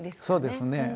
そうですね。